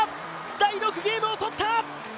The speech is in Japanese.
第６ゲームを取った！